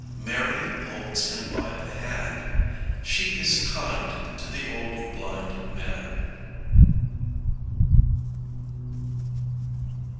Mary holds him by the hand. She is kind to the old blind man.